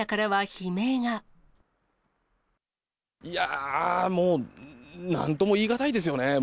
いやー、もう、なんとも言い難いですよね。